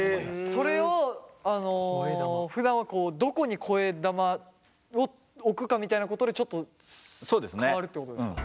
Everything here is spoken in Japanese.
それをふだんはどこに声玉を置くかみたいなことでちょっと変わるってことですか？